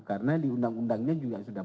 karena di undang undangnya juga sudah